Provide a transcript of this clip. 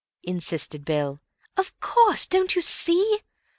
insisted Bill. "Of course! Don't you see?